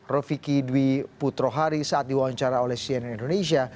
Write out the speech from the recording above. rofiki dwi putrohari saat diwawancara oleh cnn indonesia